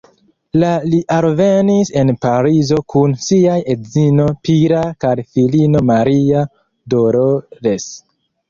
La li alvenis en Parizo kun siaj edzino Pilar kaj filino Maria Dolores.